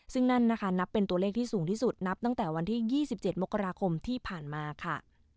ซึ่งนั่นนะคะนับเป็นตัวเลขที่สูงที่สุดนับตั้งแต่วันที่๒๗มกราคมที่ผ่านมาค่ะ